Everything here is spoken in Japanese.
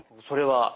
それは。